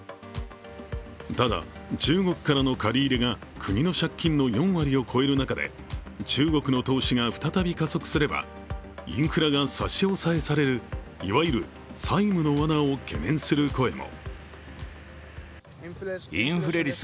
ただ、中国からの借り入れが国の借金の４割を超える中で中国の投資が再び加速すればインフラが差し押さえされるいわゆる債務のわなを懸念する声も。